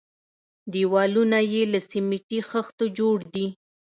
دېوالونه يې له سميټي خښتو جوړ دي.